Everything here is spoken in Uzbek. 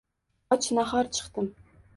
och-nahor chiqdim.